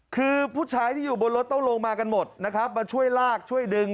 คือผู้ชายที่อยู่บนรถต้องลงมากันหมดนะครับมาช่วยลากช่วยดึง